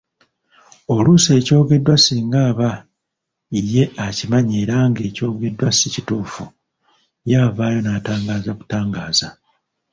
Oluusi ekyogeddwa singa aba ye akimanyi era ng’ekyogeddwa si kituufu, ye avaayo n’atangaaza butangaaza.